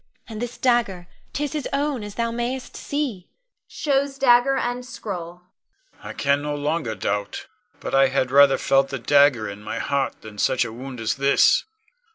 And this dagger, 'tis his own, as thou mayst see [shows dagger and scroll]. Con. I can no longer doubt; but I had rather have felt the dagger in my heart than such a wound as this.